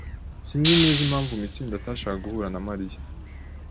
Sinzi neza impamvu Mitsindo atashakaga guhura na Mariya.